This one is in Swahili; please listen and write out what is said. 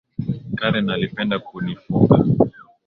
Karen alipenda kunifunga